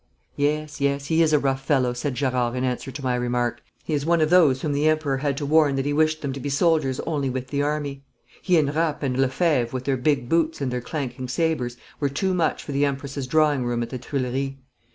'Yes, yes; he is a rough fellow,' said Gerard, in answer to my remark. 'He is one of those whom the Emperor had to warn that he wished them to be soldiers only with the army. He and Rapp and Lefebvre, with their big boots and their clanking sabres, were too much for the Empress's drawing room at the Tuileries.